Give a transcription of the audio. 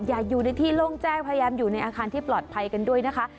อย่าอยู่ในที่โล่งแจ้งพยายามอยู่ในอาคารที่ปลอดภัยกันด้วยนะคะ